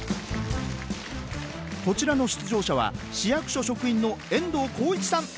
こちらの出場者は市役所職員の遠藤浩一さん